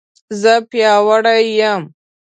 زه پیاوړې یم